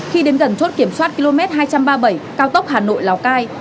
khi đến gần chốt kiểm soát km hai trăm ba mươi bảy cao tốc hà nội lào cai